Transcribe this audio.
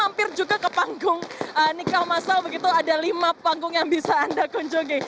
mampir juga ke panggung nikah masal begitu ada lima panggung yang bisa anda kunjungi